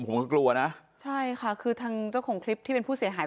ผมก็กลัวนะใช่ค่ะคือทางเจ้าของคลิปที่เป็นผู้เสียหาย